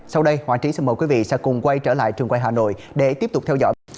sau đây hỏa trí xin mời quý vị sẽ cùng quay trở lại trường quay hà nội để tiếp tục theo dõi